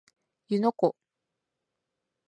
湯ノ湖